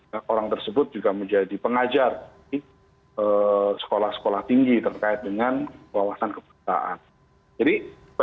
kemudian orang orang yang tersebut juga menjadi pengajar di sekolah sekolah tinggi terkait dengan wawasan kebangsaan jadi sebaiknya dalam perjalanan ke negara